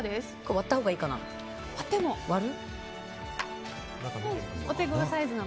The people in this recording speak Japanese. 割ったほうがいいかな。